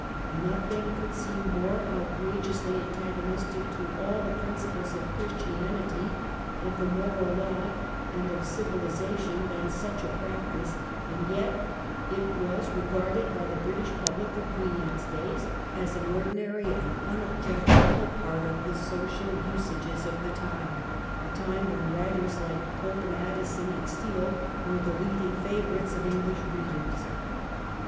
Nothing could seem more outrageously antagonistic to all the principles of Christianity, of the moral law, and of civilization than such a practice, and yet it was regarded by the British public of Queen Anne's days as an ordinary and unobjectionable part of the social usages of the time — a time when writers like Pope, 1702 14 PRISONERS AND PAUPERS. 403 and Addison, and Steele were the leading favourites of English readers.